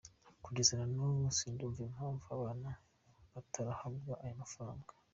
Kugeza na n’ubu sindumva impamvu abana batarahabwa aya mafaranga”.